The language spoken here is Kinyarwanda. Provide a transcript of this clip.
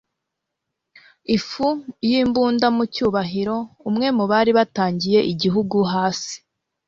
ifu yimbunda mucyubahiro umwe mubari batangiye igihugu hasi